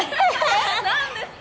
なんですか？